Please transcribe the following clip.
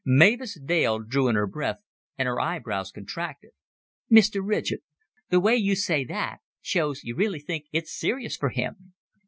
Mavis Dale drew in her breath, and her eyebrows contracted. "Mr. Ridgett! The way you say that, shows you really think it's serious for him."